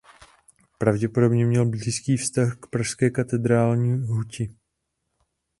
Pravděpodobně měl blízký vztah k pražské katedrální huti.